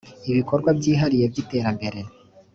ibikorwa byihariye by’iterambere